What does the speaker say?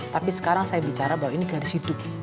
tapi sekarang saya bicara bahwa ini garis hidup